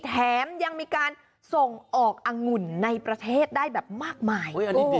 แถมยังมีการส่งออกอังุ่นในประเทศได้แบบมากมาย